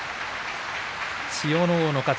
千代ノ皇の勝ち。